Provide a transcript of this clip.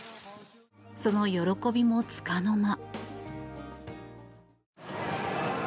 その喜びもつかの間。